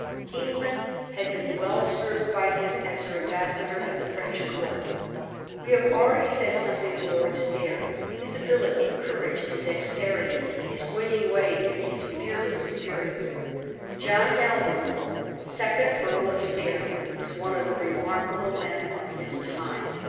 England had been well served by him as her ambassador at the French Court. We have already said something of Lord Stair, his ability, courage, and dexterity, his winning ways, and his fearless spirit. John Dalrymple, second Earl of Stair, was one of the remarkable men of his time.